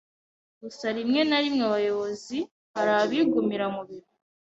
gusa rimwe narimwe abayobozi harabigumira mubiro